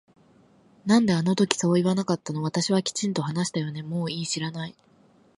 なんであの時そう言わなかったの私はきちんと話したよねもういい知らない